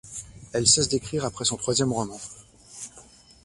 Elle cesse d'écrire après son troisième roman.